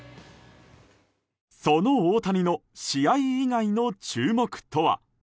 その大谷の試合以外の注目とは。